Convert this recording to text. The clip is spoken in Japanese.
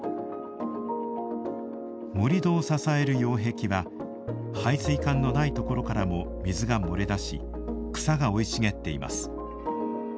盛土を支える擁壁は排水管のないところからも水が漏れ出し草が生い茂っています。